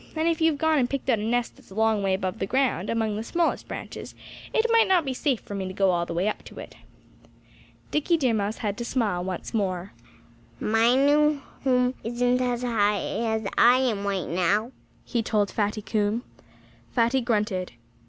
And if you've gone and picked out a nest that's a long way above the ground, among the smallest branches, it might not be safe for me to go all the way up to it." Dickie Deer Mouse had to smile once more. [Illustration: Dickie escapes from Tommy Fox] "My new home isn't as high as I am right now," he told Fatty Coon. Fatty grunted.